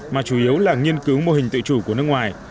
mà chủ yếu là nghiên cứu mô hình tự chủ của nước ngoài